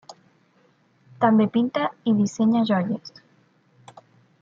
També pinta i dissenya joies.